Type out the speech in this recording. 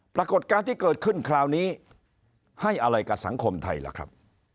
ปรากฏการณ์ที่เกิดขึ้นคราวนี้ให้อะไรกับสังคมไทยล่ะครับ